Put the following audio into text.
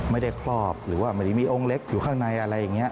ครอบหรือว่าไม่ได้มีองค์เล็กอยู่ข้างในอะไรอย่างนี้